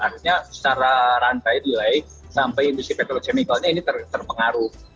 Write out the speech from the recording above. artinya secara rantai nilai sampai industri petrochemicalnya ini terpengaruh